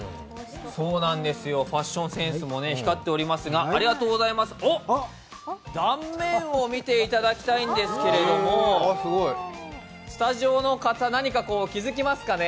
ファッションセンスも光っておりますが断面を見ていただきたいんですけど、スタジオの方、何か気づきますかね？